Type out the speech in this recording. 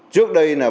trước đây là